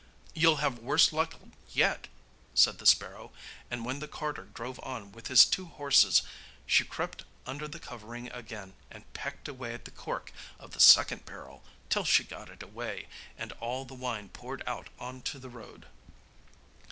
'You'll have worse luck yet,' said the sparrow; and when the carter drove on with his two horses she crept under the covering again, and pecked away at the cork of the second barrel till she got it away, and all the wine poured out on to the road.